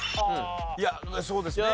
いやそうですね。